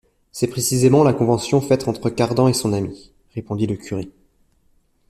C’est précisément la convention faite entre Cardan et son ami, répondit le curé.